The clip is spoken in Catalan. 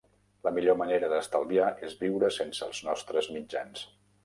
La millor manera d'estalviar és viure sense els nostres mitjans.